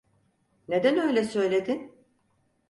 Neden öyle söyledin?